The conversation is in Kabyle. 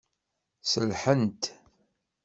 Sellḥent.